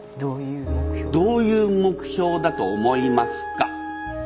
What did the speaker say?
どういう目標だと思いますか？